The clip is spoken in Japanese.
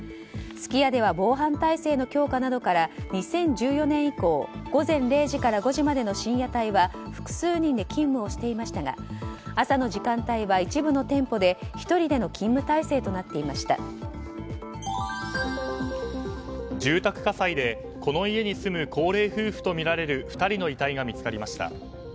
すき家では防犯体制の強化などから２０１４年以降午前０時から５時までの深夜帯は複数人で勤務をしていましたが朝の時間帯は一部の店舗で１人での勤務体制と住宅火災でこの家に住む高齢夫婦とみられる２人の遺体が見つかりました。